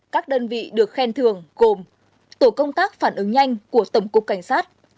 các đơn vị được khen thưởng gồm tổ công tác phản ứng nhanh của tổng cục cảnh sát